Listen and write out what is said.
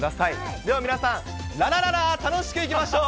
では皆さん、ららららー、楽しくいきましょう。